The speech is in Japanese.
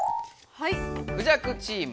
はい。